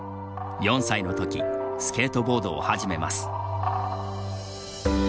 ４歳のときスケートボードを始めます。